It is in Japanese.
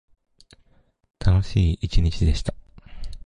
楽しい一日でした。